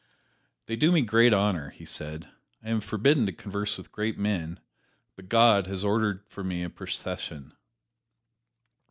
"They do me great honor," he said; "I am forbidden to converse with great men, but God has ordered for me a procession."